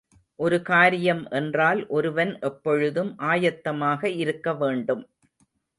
ஒரு காரியம் என்றால் ஒருவன் எப்பொழுதும் ஆயத்தமாக இருக்கவேண்டும்.